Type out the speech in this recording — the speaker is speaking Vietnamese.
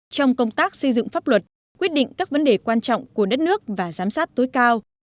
trong công tác xây dựng pháp luật quyết định các vấn đề quan trọng của đất nước và giám sát tối cao